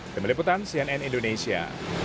demi liputan cnn indonesia